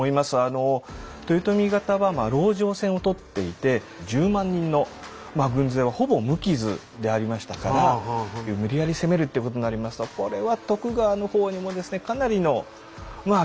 豊臣方は籠城戦を取っていて１０万人の軍勢はほぼ無傷でありましたから無理やり攻めるっていうことになりますとこれは徳川の方にもかなりの犠牲が出ると。